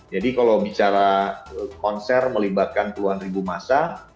jadi kalau bicara konser melibatkan puluhan ribu masa